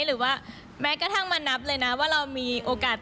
ชื่อเพลงว่าอะไรอ่ะ